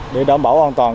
để đảm bảo an toàn